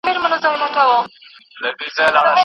عقلي قناعت د مذهب په منلو کي شرط دی.